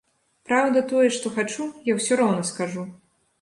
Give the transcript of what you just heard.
Праўда, тое, што хачу, я ўсё роўна скажу.